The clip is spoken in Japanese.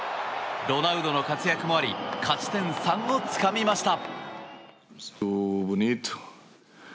ロナウドの活躍もあり勝ち点３をつかみました。